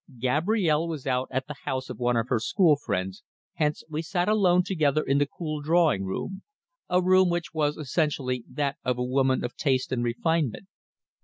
Gabrielle was out at the house of one of her school friends, hence, we sat alone together in the cool drawing room a room which was essentially that of a woman of taste and refinement.